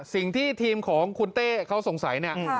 สิ่งที่ทีมของคุณเต้เขาสงสัยเนี่ย